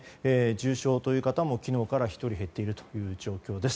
重症という方も、昨日から１人減っている状況です。